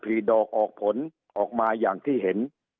สุดท้ายก็ต้านไม่อยู่